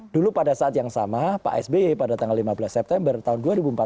dulu pada saat yang sama pak sby pada tanggal lima belas september tahun dua ribu empat belas